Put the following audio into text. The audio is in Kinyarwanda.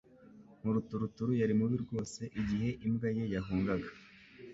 Maturuturu yari mubi rwose igihe imbwa ye yahungaga.